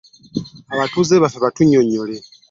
Abakulembeze baffe bajje batunnyonnyole.